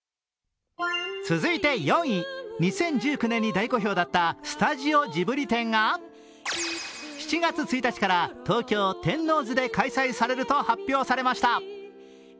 続いて４位、２０１９年に大好評だったスタジオジブリ展が、７月１日から東京・天王洲で開催されると発表されました。